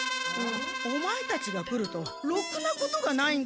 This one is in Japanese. オマエたちが来るとろくなことがないんだから。